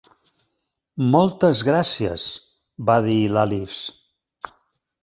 'Moltes gràcies', va dir l'Alice.